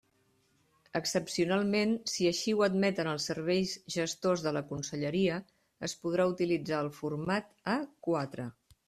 Excepcionalment, si així ho admeten els serveis gestors de la conselleria, es podrà utilitzar el format A quatre.